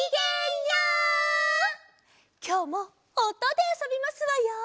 きょうもおとであそびますわよ。